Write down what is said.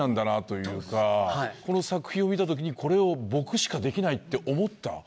この作品を見た時に「僕しかできない」って思った。